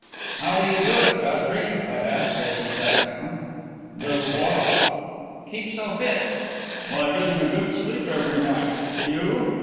"How do you do it, Godfrey?" I asked, as he sat down. "Do what?" "Keep so fit." "By getting a good sleep every night. Do you?"